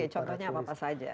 contohnya apa saja